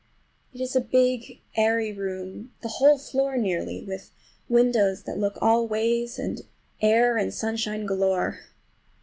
It is a big, airy room, the whole floor nearly, with windows that look all ways, and air and sunshine galore.